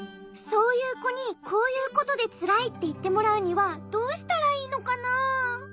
そういうこに「こういうことでつらい」っていってもらうにはどうしたらいいのかな？